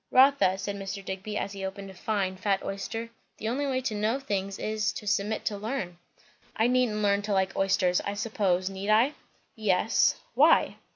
"Rotha," said Mr. Digby, as he opened a fine, fat oyster, "the only way to know things is, to submit to learn." "I needn't learn to like oysters, I suppose, need I?" "Yes." "Why?"